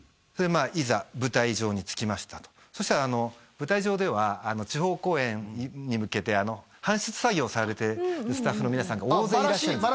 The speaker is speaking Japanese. それでいざ舞台上に着きましたとそしたらあの舞台上では地方公演に向けて搬出作業されてるスタッフの皆さんが大勢いらっしゃる